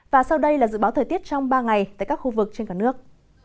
và sau đây là dự báo thời tiết trong ba ngày tại các khu vực trên cả nước